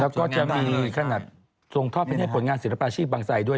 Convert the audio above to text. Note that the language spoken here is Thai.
แล้วก็จะมีขนาดส่งทอดไปปลอดภัยในศิลปาชีพบางสัยด้วย